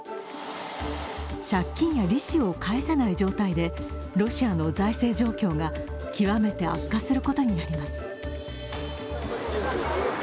借金や利子を返せない状態でロシアの財政状況が極めて悪化することになります。